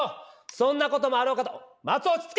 そんなこともあろうかとマツオ落ち着け！